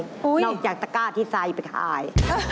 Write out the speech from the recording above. นอกจากตะกร้าที่ไซค์ไปขาย